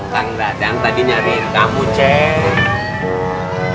kandang tadi nyariin kamu ceng